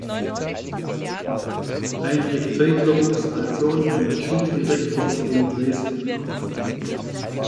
Heinrich Zeidler wuchs als Sohn eines Schuldirektors in Dresden auf.